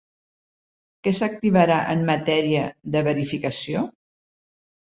Què s'activarà en matèria de verificació?